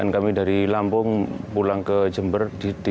kami dari lampung pulang ke jember